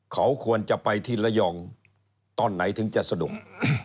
เขาควรจะไปที่ระยองตอนไหนถึงจะสะดวก